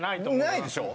ないでしょ？